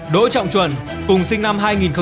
đỗ trọng chuẩn cùng sinh năm hai nghìn sáu